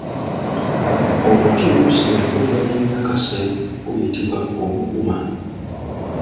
Omuti ogusima ebbumba lya Nakase guyitibwa Omuguma.